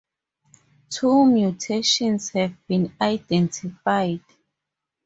Two mutations have been identified.